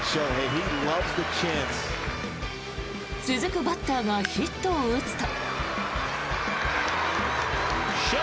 続くバッターがヒットを打つと。